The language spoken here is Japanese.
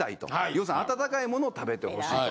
要するに温かいものを食べてほしいと。